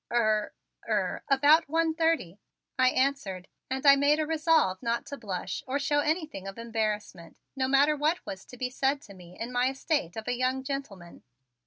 "Er er, about one thirty," I answered, and I made a resolve not to blush or show anything of embarrassment, no matter what was to be said to me in my estate of a young gentleman.